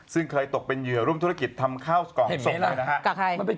ซึ่งเคยตกเป็นเยือร่มธุรกิจทำข้าวกล้องสกนเลย